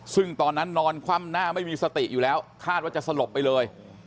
ซึ่งตอนนั้นนอนคว่ำหน้าไม่มีสติอยู่แล้วคาดว่าจะสลบไปเลย